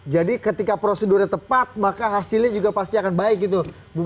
jadi ketika prosedurnya tepat maka hasilnya juga pasti akan baik gitu